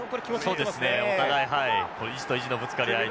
そうですねお互いはい意地と意地のぶつかり合い。